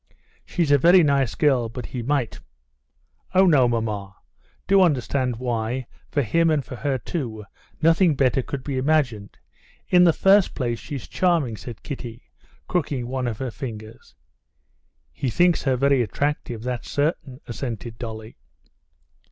She's a very nice girl, but he might...." "Oh, no, mamma, do understand why, for him and for her too, nothing better could be imagined. In the first place, she's charming!" said Kitty, crooking one of her fingers. "He thinks her very attractive, that's certain," assented Dolly.